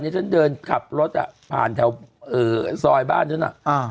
เมื่อฉันเดินขับรถอะผ่านจากซอยบ้านนั้นน่ะ